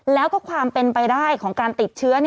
แล้วก็ความเป็นไปได้ของการติดเชื้อ